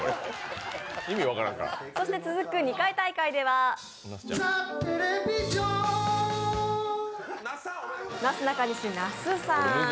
続いて２回大会ではなすなかにし・那須さん。